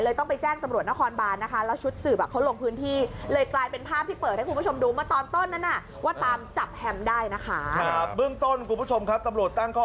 เลยต้องไปแจ้งตำรวจนครบานนะคะ